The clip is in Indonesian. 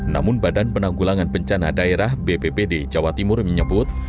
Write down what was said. namun badan penanggulangan pencana daerah bbbd jawa timur menyebut